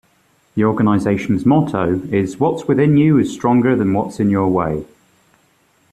The organization's motto is What's Within You Is Stronger Than What's In Your Way!